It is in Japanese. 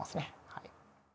はい。